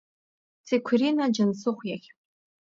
Циқәрина Џьансыхә иахь.